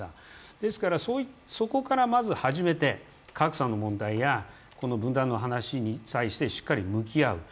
ですからそこからまず始めて格差の問題や分断の話に対して、しっかり向き合う。